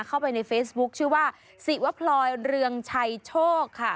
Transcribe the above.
เข้าไปในเฟซบุ๊คชื่อว่าสิวพลอยเรืองชัยโชคค่ะ